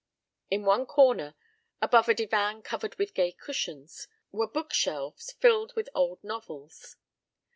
In one corner, above a divan covered with gay cushions, were bookshelves filled with old novels.